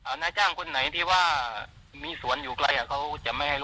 เพราะว่า๔โมงเย็นต้องกลับบ้านแล้ว